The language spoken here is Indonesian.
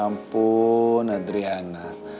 ya ampun adriana